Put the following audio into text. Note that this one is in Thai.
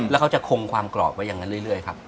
แล้วเขาจะคงความกรอบไว้อย่างนั้นเรื่อยครับ